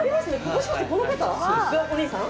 もしかしてこの方がお兄さん？